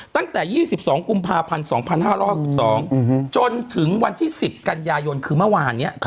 ตั้งแต่๒๒กุมภาพันธ์๒๕๖๒จนถึงวันที่๑๐กันยายนคือเมื่อวานนี้